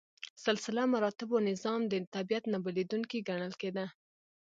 سلسله مراتبو نظام د طبیعت نه بدلیدونکی ګڼل کېده.